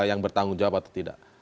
yang bertanggung jawab atau tidak